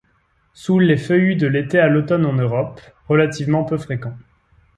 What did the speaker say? Sous les feuillus de l'été à l'automne en Europe, relativement peu fréquent.